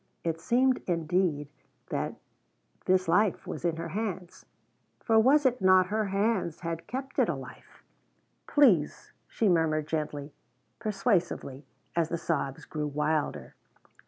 It seemed indeed that this life was in her hands for was it not her hands had kept it a life? "Please," she murmured gently, persuasively, as the sobs grew wilder.